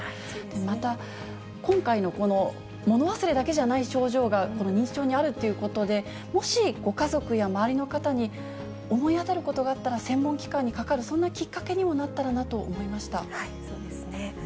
また今回のこの物忘れだけじゃない症状が、この認知症にあるということで、もしご家族や周りの方に思い当たることがあったら、専門機関にかかる、そんなきっかけにもそうですね。